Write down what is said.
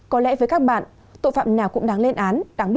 có lẽ với các bạn tội phạm nào cũng đáng lên án